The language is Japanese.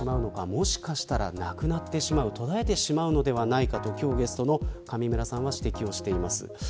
もしかしたらなくなってしまう途絶えてしまうということをゲストの上村さんは指摘しています。